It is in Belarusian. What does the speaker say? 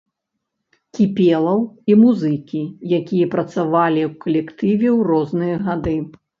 Кіпелаў і музыкі, якія працавалі ў калектыве ў розныя гады.